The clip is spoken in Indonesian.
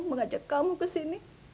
mengajak kamu ke sini